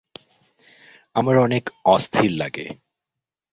আমার অনেক অস্থির লাগে।